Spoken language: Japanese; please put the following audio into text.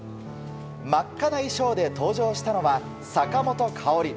真っ赤な衣装で登場したのは坂本花織。